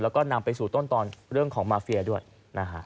แล้วก็นำไปสู่ต้นตอนเรื่องของมาเฟียด้วยนะฮะ